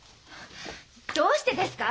どうしてですか！？